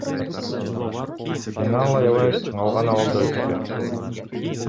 Финал аябай чыңалган абалда өттү.